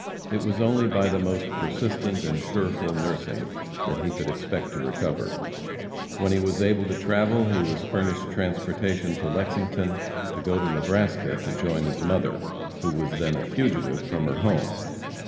It was only by the most persistent and sureful nursing that he could expect to recover. When he was able to travel he was furnished transportation from Lexington to go to Nebraska to join his mother, who was then a fugitive from her home.